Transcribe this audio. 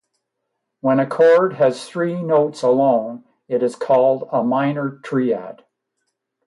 When a chord has these three notes alone, it is called a minor triad.